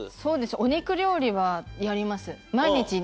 お肉料理はやります。